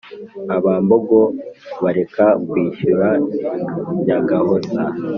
abambogo bareka kwishyura nyagahoza;